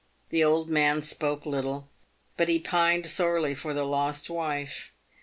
The old man spoke little, but he pined sorely for the lost wife.